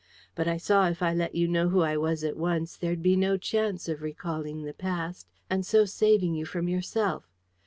But I saw if I let you know who I was at once, there'd be no chance of recalling the past, and so saving you from yourself.